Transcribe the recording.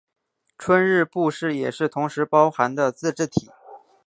春日部市也是同时包含的自治体。